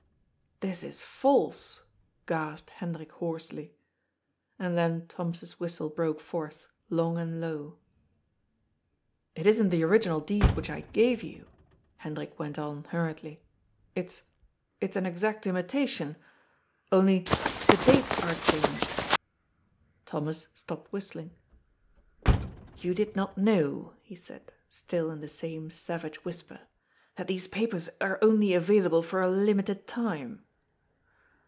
" This is false," gasped Hendrik hoarsely. And then Thomas's whistle broke forth, long and low. " It isn't the original deed which I gave you." Hendrik went on hurriedly, "It's — it's an exact imitation. Only, the dates are changed." Thomas stopped whistling. " You did not know," he said, still in the same savage whisper, " that these papers are only available for a limited time."